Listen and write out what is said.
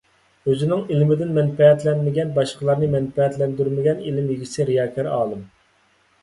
ئۆزىنىڭ ئىلمىدىن مەنپەئەتلەنمىگەن، باشقىلارنى مەنپەئەتلەندۈرمىگەن ئىلىم ئىگىسى رىياكار ئالىم.